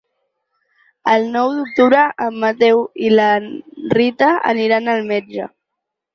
El nou d'octubre en Mateu i na Rita aniran al metge.